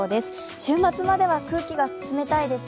週末までは空気が冷たいですね。